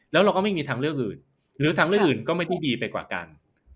แล้วเราก็ไม่มีทางเลือกอื่นหรือทำเรื่องอื่นก็ไม่ได้ดีไปกว่ากัน